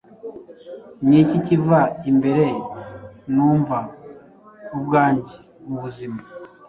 Niki kiva imbere numva ubwanjye mubuzima